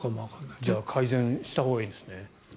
じゃあ改善したほうがいいんですね。